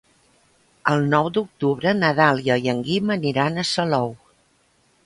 El nou d'octubre na Dàlia i en Guim aniran a Salou.